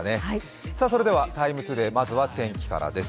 それでは「ＴＩＭＥ，ＴＯＤＡＹ」まずは天気からです。